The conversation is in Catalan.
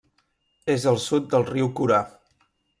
És al sud del riu Kura.